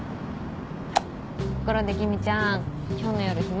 ところで君ちゃん今日の夜暇？